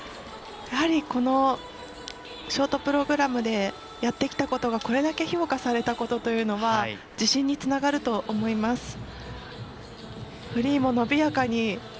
やはりこのショートプログラムでやってきたことがこれだけ評価されたことというのは自信につながると思います。